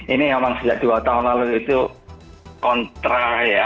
ini memang sejak dua tahun lalu itu kontra ya